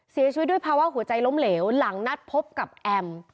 เสียชีวิตด้วยภาวะหัวใจล้มเหลวหลังนัดพบกับแอม